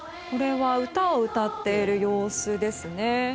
歌を歌っている様子ですね。